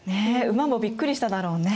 馬もびっくりしただろうね。